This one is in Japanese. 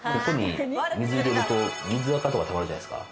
水入れると水垢とかがたまるじゃないですか。